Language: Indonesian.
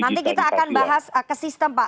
nanti kita akan bahas ke sistem pak